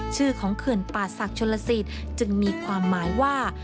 ชื่อของเขื่อนป่าศักดิ์ชนลสิทธิ์จึงมีความหมายว่า